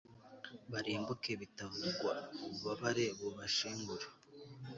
barimbuke bitavugwa, ububabare bubashengure